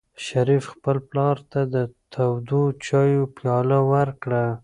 شریف خپل پلار ته د تودو چایو پیاله ورکړه.